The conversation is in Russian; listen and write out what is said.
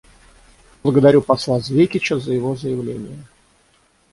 Благодарю посла Звекича за его заявление.